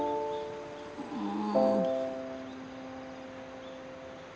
うん。